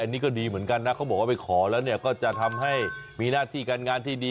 อันนี้ก็ดีเหมือนกันนะเขาบอกว่าไปขอแล้วเนี่ยก็จะทำให้มีหน้าที่การงานที่ดี